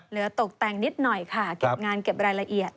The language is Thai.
ตกแต่งนิดหน่อยค่ะเก็บงานเก็บรายละเอียด